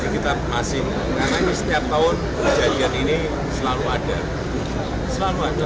kita masih karena ini setiap tahun kejadian ini selalu ada selalu ada